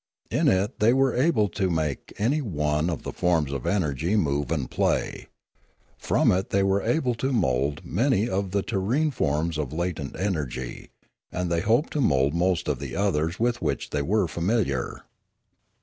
In it they were able to make any one of the forms of energy move and play. From it they were able to mould many of the terrene forms of latent energy, and they hoped to mould most of the others with which they were familiar.